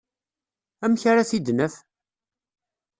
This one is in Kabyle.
Amek ara t-id-naf?